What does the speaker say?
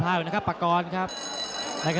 ตอนนี้มันถึง๓